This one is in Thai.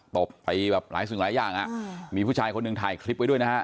ตบไปแบบหลายสิ่งหลายอย่างมีผู้ชายคนหนึ่งถ่ายคลิปไว้ด้วยนะฮะ